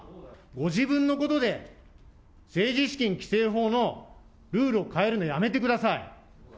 ご自分のことで、政治資金規正法のルールを変えるのやめてください。